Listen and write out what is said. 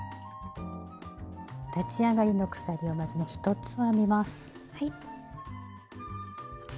立ち上がりの鎖をまずね１つ編みます。